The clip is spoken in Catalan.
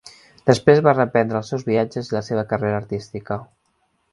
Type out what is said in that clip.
Després va reprendre els seus viatges i la seva carrera artística.